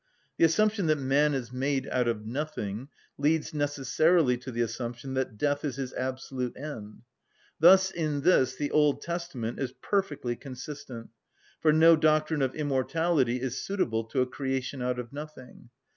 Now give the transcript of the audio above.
The assumption that man is made out of nothing leads necessarily to the assumption that death is his absolute end. Thus in this the Old Testament is perfectly consistent; for no doctrine of immortality is suitable to a creation out of nothing.